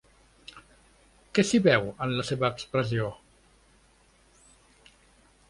Què s'hi veu en la seva expressió?